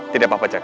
tidak apa apa cak